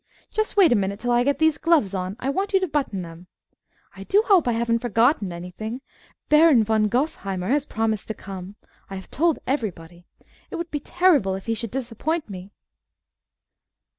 Just wait a minute, till I get these gloves on; I want you to button them. I do hope I haven't forgotten anything. Baron von Gosheimer has promised to come. I have told everybody. It would be terrible if he should disappoint me.